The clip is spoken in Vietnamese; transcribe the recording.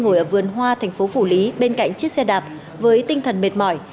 ngồi ở vườn hoa thành phố phủ lý bên cạnh chiếc xe đạp với tinh thần mệt mỏi